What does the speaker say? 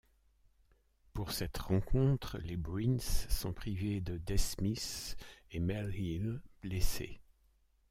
Pour cette rencontre, les Bruins sont privés de Des Smith et Mel Hill, blessés.